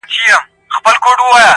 ښاخ پر ښاخ باندي پټېږي کور یې ورک دی.